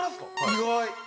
意外。